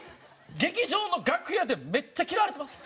劇場の楽屋でめっちゃ嫌われてます。